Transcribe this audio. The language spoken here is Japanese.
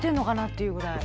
っていうぐらい。